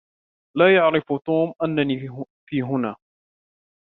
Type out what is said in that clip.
لا يعرف توم انني في هنا